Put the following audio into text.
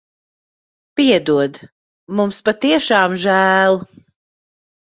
Piedod. Mums patiešām žēl.